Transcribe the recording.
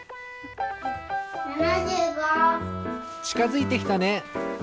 ちかづいてきたね。